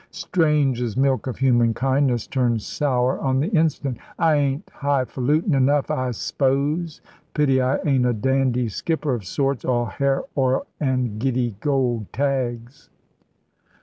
Strange's milk of human kindness turned sour on the instant. "I ain't high falutin' enough, I s'pose. Pity I ain't a dandy skipper of sorts, all hair oil an' giddy gold tags."